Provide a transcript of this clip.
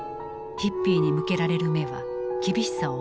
ヒッピーに向けられる目は厳しさを増した。